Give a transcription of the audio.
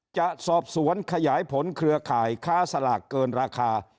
จะสอบสวนขยายผลเครือข่ายค้าสลากเกินราคา